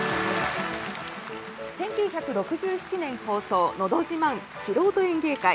１９６７年放送「のど自慢素人演芸会」。